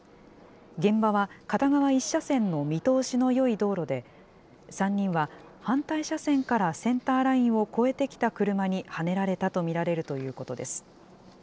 現場は片側１車線の見通しのよい道路で、３人は反対車線からセンターラインを越えてきた車にはねられたと見られるということです。